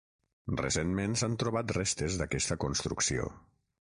Recentment s'han trobat restes d'aquesta construcció.